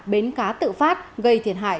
bến cá tự phát gây thiệt hại